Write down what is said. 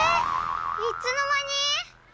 いつのまに？